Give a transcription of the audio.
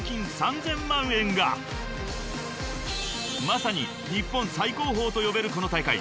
［まさに日本最高峰と呼べるこの大会］